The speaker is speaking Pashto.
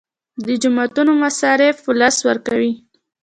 د جوماتونو مصارف ولس ورکوي